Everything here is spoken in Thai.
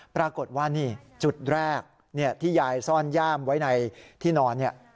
ปรากฏว่านี่จุดแรกที่ยายซ่อนย่ามไว้ในที่นอนเนี่ย